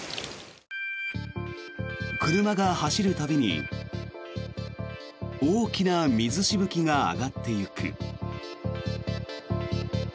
車が走る度に大きな水しぶきが上がっていく。